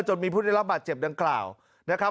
จนมีผู้ได้รับบาดเจ็บดังกล่าวนะครับ